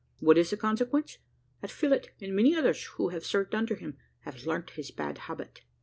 What is the consequence? that Phillott, and many others, who have served under him, have learnt his bad habit."